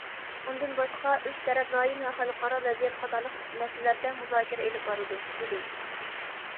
ئۇندىن باشقا، ئۈچ تەرەپ رايون ۋە خەلقئارا ۋەزىيەت قاتارلىق مەسىلىلەردە مۇزاكىرە ئېلىپ بارىدۇ، دېدى.